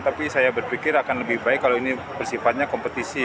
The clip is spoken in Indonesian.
tapi saya berpikir akan lebih baik kalau ini bersifatnya kompetisi